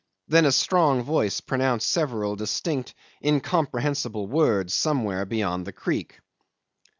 Then a strong voice pronounced several distinct incomprehensible words somewhere beyond the creek.